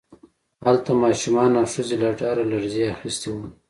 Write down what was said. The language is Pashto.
هلته ماشومان او ښځې له ډاره لړزې اخیستي وو